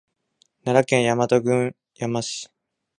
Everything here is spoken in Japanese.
奈良県大和郡山市